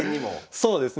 そうですね。